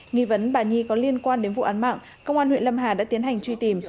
nghi vấn bà nhi có liên quan đến vụ án mạng công an huyện lâm hà đã tiến hành truy tìm